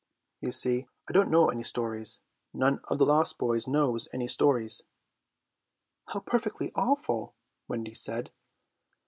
"You see, I don't know any stories. None of the lost boys knows any stories." "How perfectly awful," Wendy said.